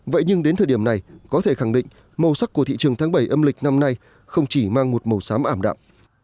vậy nhưng đến thời điểm này có thể khẳng định màu sắc của thị trường tháng bảy âm lịch năm nay không chỉ mang một màu xám ảm đạm